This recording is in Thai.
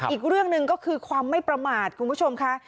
อีกเรื่องหนึ่งก็คือความไม่ประมาทคุณผู้ชมค่ะ